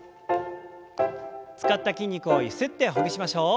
使った筋肉をゆすってほぐしましょう。